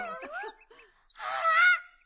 あっ！